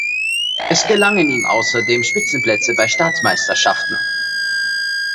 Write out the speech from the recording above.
Es gelangen ihm außerdem Spitzenplätze bei Staatsmeisterschaften.